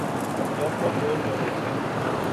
جب وہ بول رہے تھے۔